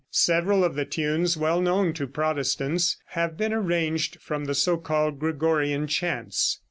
Several of the tunes well known to Protestants have been arranged from the so called Gregorian chants.